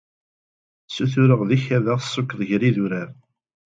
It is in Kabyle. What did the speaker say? Sutureɣ deg-k ad aɣ-tessukeḍ gar yidurar.